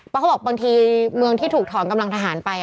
เพราะเขาบอกบางทีเมืองที่ถูกถอนกำลังทหารไป